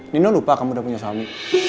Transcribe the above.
nino lupa kamu udah punya suami